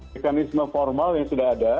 mekanisme formal yang sudah ada